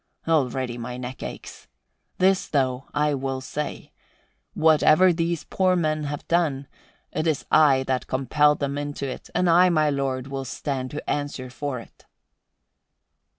Already my neck aches. This, though, I will say: whatever these poor men have done, it is I that compelled them into it, and I, my lord, will stand to answer for it."